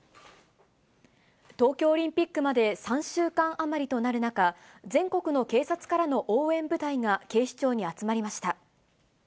東京オリンピックまで３週間余りとなる中、全国の警察からの応援部隊が、警視庁に集まりました。